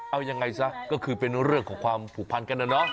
เอายังไงซะก็คือเป็นเรื่องของความผูกพันกันนะเนาะ